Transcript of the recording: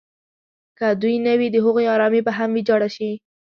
که دوی نه وي د هغوی ارامي به هم ویجاړه شي.